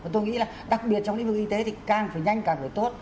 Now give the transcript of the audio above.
tôi nghĩ là đặc biệt trong lĩnh vực y tế thì càng phải nhanh càng phải tốt